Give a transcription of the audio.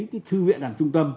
mà chưa thấy người đọc là trung tâm